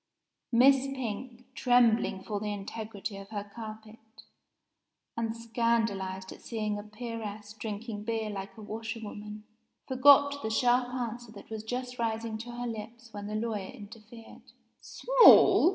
Miss Pink, trembling for the integrity of her carpet, and scandalized at seeing a peeress drinking beer like a washer woman, forgot the sharp answer that was just rising to her lips when the lawyer interfered. "Small!"